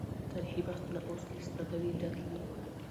تاريخي بحثونه اوس له سپکاوي ډک دي.